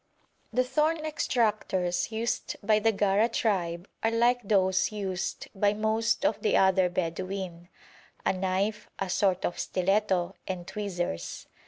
The thorn extractors used by the Gara tribe are like those used by most of the other Bedouin: a knife, a sort of stiletto, and tweezers.